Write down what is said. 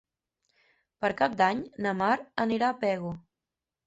Per Cap d'Any na Mar anirà a Pego.